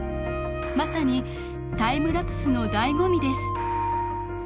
まさにタイムラプスの醍醐味です。